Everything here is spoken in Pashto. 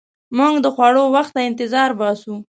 موږ د خوړو وخت ته انتظار باسو.